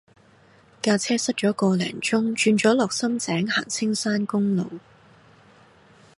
架車塞咗個零鐘轉咗落深井行青山公路